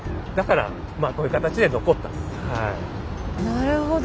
なるほど。